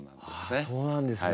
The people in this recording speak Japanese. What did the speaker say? ああそうなんですね。